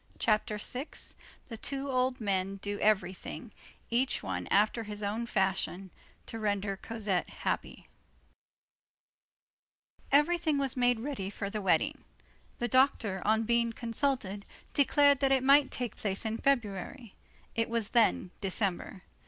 CHAPTER VI—THE TWO OLD MEN DO EVERYTHING, EACH ONE AFTER HIS OWN FASHION, TO RENDER COSETTE HAPPY Everything was made ready for the wedding. The doctor, on being consulted, declared that it might take place in February. It was then December.